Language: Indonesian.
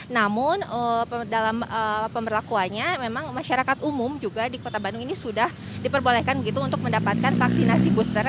namun dalam pemberlakuannya memang masyarakat umum juga di kota bandung ini sudah diperbolehkan begitu untuk mendapatkan vaksinasi booster